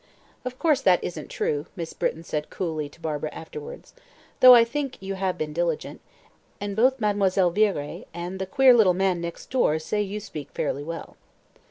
"Of course that isn't true," Miss Britton said coolly to Barbara afterwards, "though I think you have been diligent, and both Mademoiselle Viré and the queer little man next door say you speak fairly well."